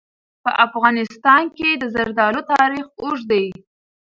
په افغانستان کې د زردالو تاریخ اوږد دی.